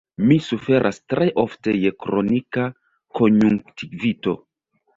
Mi suferas tre ofte je kronika konjunktivito.